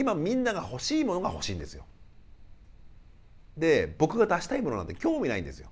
で僕が出したいものなんて興味ないんですよ。